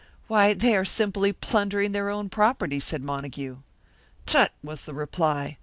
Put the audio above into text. "Why, they are simply plundering their own property," said Montague. "Tut!" was the reply.